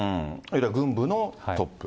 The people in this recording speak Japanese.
軍部のトップ。